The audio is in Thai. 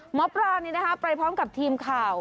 หมอปลานี้นะคะไปพร้อมกับทีมข่าว